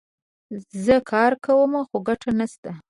زه کار کوم ، خو ګټه نه سته